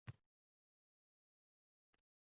Boshqa bir toifa mansabdor o‘z o‘rniga muvofiq.